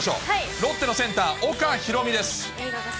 ロッテのセンター、岡大海です。